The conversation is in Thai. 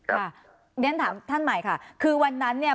เรียนถามท่านใหม่ค่ะคือวันนั้นเนี่ย